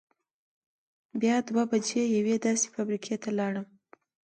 بیا دوه بجې یوې داسې فابرېکې ته لاړم.